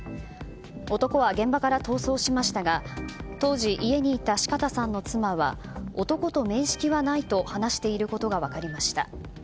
男は現場から逃走しましたが当時、家にいた四方さんの妻は男と面識はないと話していることが分かりました。